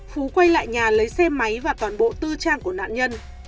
phú quay lại nhà lấy xe máy và toàn bộ tư trang của nạn nhân